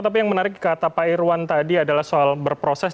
tapi yang menarik kata pak irwan tadi adalah soal berproses